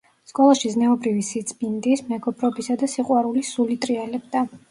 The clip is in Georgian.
სკოლაში ზნეობრივი სიწმინდის, მეგობრობისა და სიყვარულის სული ტრიალებდა.